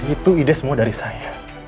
itu ide semua dari saya